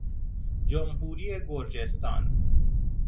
جمهوری گرجستان